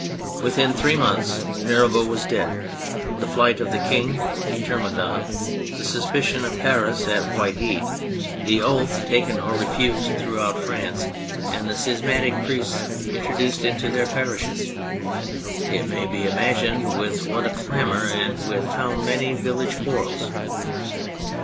Within three months Mirabeau was dead, the flight of the King determined on, the suspicion of Paris at white heat, the oath taken or refused 244 THE FRENCH REVOLUTION throughout France, and the schismatic priests introduced into their parishes — it may be imagined with what a clamour and with how many village quarrels